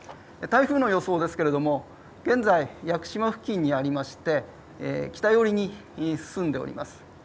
台風の予想ですけれども現在、屋久島付近にありまして北寄りに進んでおります。